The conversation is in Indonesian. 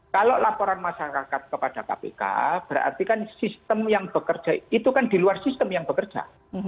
kalau laporan masyarakat kepada kpk berarti kan sistem yang bekerja itu kan di luar sistem yang bekerja